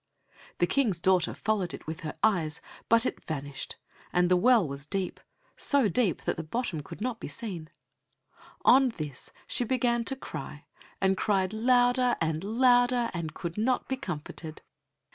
The King's daughter followed it with her eyes, but it vanished, and the well was deep, so deep that the bottom could not be seen. On this she began to cry, and cried louder and louder, and could not be comforted.